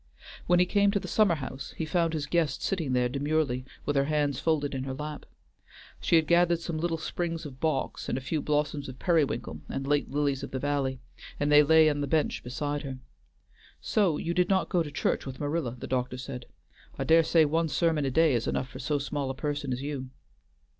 When he came to the summer house, he found his guest sitting there demurely with her hands folded in her lap. She had gathered some little sprigs of box and a few blossoms of periwinkle and late lilies of the valley, and they lay on the bench beside her. "So you did not go to church with Marilla?" the doctor said. "I dare say one sermon a day is enough for so small a person as you."